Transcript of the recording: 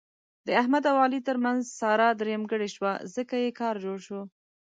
د احمد او علي ترمنځ ساره درېیمګړې شوه، ځکه یې کار جوړ شو.